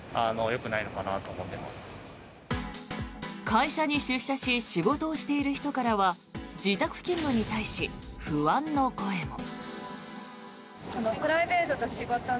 会社に出社し仕事をしている人からは自宅勤務に対し不安の声も。